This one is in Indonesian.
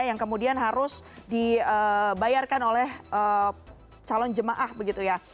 yang kemudian harus dibayarkan oleh calon jemaah begitu ya